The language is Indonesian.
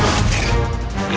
aku tidak tahu